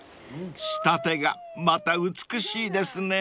［仕立てがまた美しいですね］